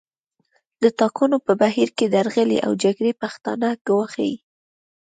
د ټاکنو په بهیر کې درغلۍ او جګړې پښتانه ګواښي